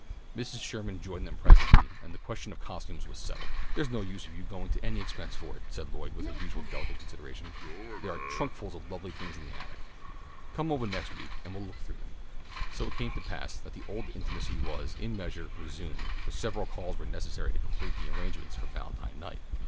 Mrs. Sherman joined them presently, and the question of costumes was settled. "There's no use of yoah going to any expense for one," said Lloyd, with her usual delicate consideration. "There are trunkfuls of lovely things still in the attic. Come ovah next week and we'll look through them." So it came to pass that the old intimacy was, in a measure, resumed, for several calls were necessary to complete the arrangements for Valentine night.